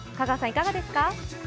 いかがですか？